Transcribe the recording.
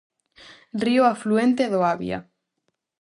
Río afluente do Avia.